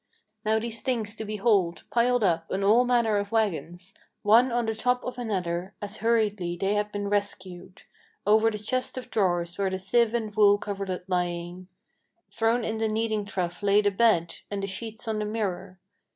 Now these things to behold, piled up on all manner of wagons, One on the top of another, as hurriedly they had been rescued. Over the chest of drawers were the sieve and wool coverlet lying; Thrown in the kneading trough lay the bed, and the sheets on the mirror.